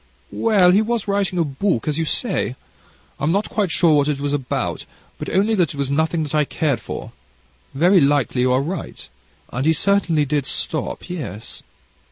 "Well, he was writing a book, as you say; I'm not quite sure what it was about, but only that it was nothing that I cared for; very likely you are right, and he certainly did stop yes."